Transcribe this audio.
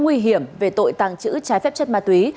nguy hiểm về tội tàng trữ trái phép chất ma túy